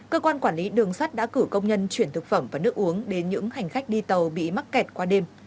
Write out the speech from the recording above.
cơ quan quản lý đường sắt đã cử công nhân chuyển thực phẩm và nước uống đến những hành khách đi tàu bị mắc kẹt qua đêm